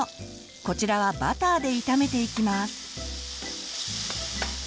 こちらはバターで炒めていきます。